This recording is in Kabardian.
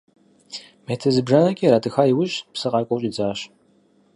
Метр зыбжанэкӏэ иратӏыха иужь, псы къакӏуэу щӏидзащ.